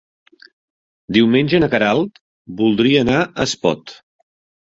Diumenge na Queralt voldria anar a Espot.